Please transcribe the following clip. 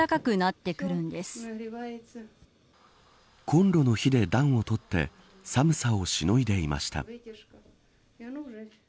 コンロの火で暖を取って寒さをしのいでいました。